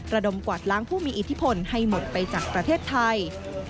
ระดมกวาดล้างผู้มีอิทธิพลให้หมดไปจากประเทศไทย